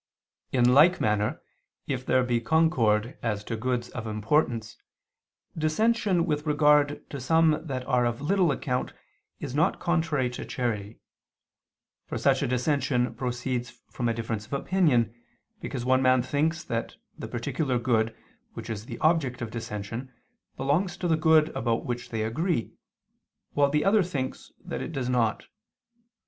In like manner if there be concord as to goods of importance, dissension with regard to some that are of little account is not contrary to charity: for such a dissension proceeds from a difference of opinion, because one man thinks that the particular good, which is the object of dissension, belongs to the good about which they agree, while the other thinks that it does not.